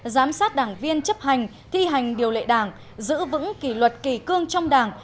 giám sát đảng viên chấp hành thi hành điều lệ đảng giữ vững kỷ luật kỳ cương trong đảng